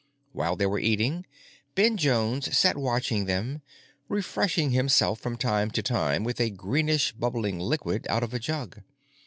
While they were eating, Ben Jones sat watching them, refreshing himself from time to time with a greenish bubbling liquid out of a jug.